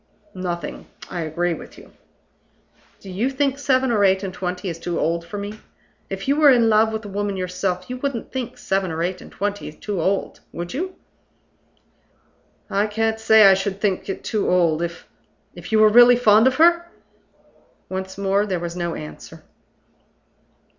"Nothing. I agree with you." "Do you think seven or eight and twenty is too old for me? If you were in love with a woman yourself, you wouldn't think seven or eight and twenty too old would you?" "I can't say I should think it too old, if " "If you were really fond of her?" Once more there was no answer.